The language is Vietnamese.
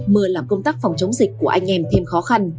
mưa làm công tác phòng chống dịch của anh em thêm khó khăn